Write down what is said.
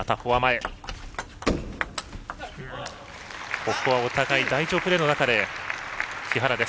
ここはお互い台上プレーの中で木原です。